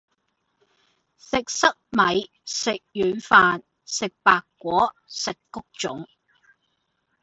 食塞米，食軟飯，食白果，食穀種